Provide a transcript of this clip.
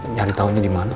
nyari taunya dimana